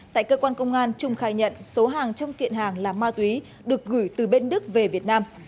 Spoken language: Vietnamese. tại cơ quan công an trung khai nhận số hàng trong kiện hàng là ma túy được gửi từ bên đức về việt nam